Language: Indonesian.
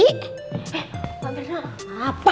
eh pak berno apa